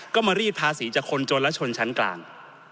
ก็มารีดภาษีจากคนจนและชนชั้นกลาง